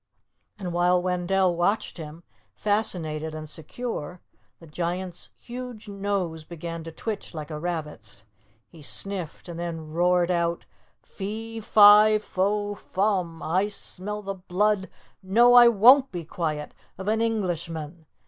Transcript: And while Wendell watched him, fascinated and secure, the Giant's huge nose began to twitch like a rabbit's, he sniffed, and then roared out, "Fee, fi, fo, fum! I smell the blood no, I won't be quiet! of an Englishman.